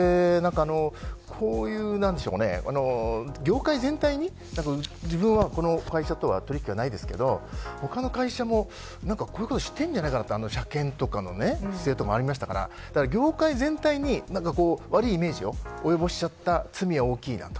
でもこれ、業界全体に自分は、この会社とは取引きがないですけど他の会社も、こういうことをしているんじゃないかとか車検の不正とかもありましたから業界全体に悪いイメージを及ぼしちゃった罪は大きいなと。